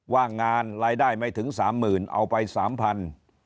ว่างงานรายได้ไม่ถึงสามหมื่นเอาไปสามพัน